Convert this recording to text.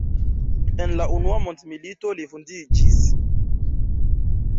En la unua mondmilito li vundiĝis.